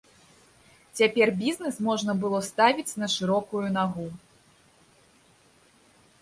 Цяпер бізнес можна было ставіць на шырокую нагу.